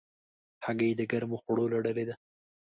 هګۍ د ګرمو خوړو له ډلې ده.